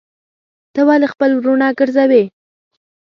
ته ولي خپل وروڼه ګرځوې.